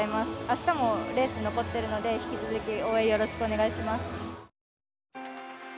あしたもレース残ってるので引き続き応援よろしくお願いします。